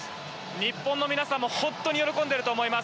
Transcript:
日本の皆さんも喜んでいると思います。